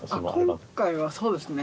今回はそうですね